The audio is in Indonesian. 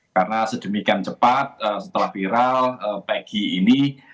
karena sedemikian cepat setelah viral peggy ini